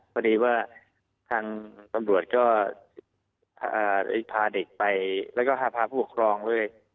พอดีว่าทางตำรวจก็พาเด็กไปแล้วก็พาผู้ปกครองด้วย